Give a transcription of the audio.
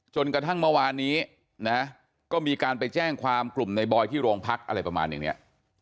จนกระทั่งเมื่อวานนี้นะก็มีการไปแจ้งความกลุ่มในบอยที่โรงพักอะไรประมาณอย่างนี้